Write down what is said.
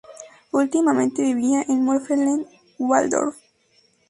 Últimamente vivía en Mörfelden-Walldorf.